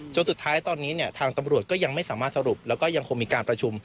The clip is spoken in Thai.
จนสุดท้ายตอนนี้เนี่ยทางตำรวจก็ยังไม่สามารถสรุปแล้วก็ยังคงมีการประชุม